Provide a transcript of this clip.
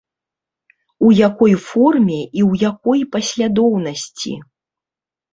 У якой форме і ў якой паслядоўнасці?